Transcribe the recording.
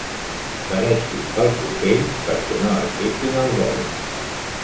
Fereixi els ocells perquè no aixequin el vol.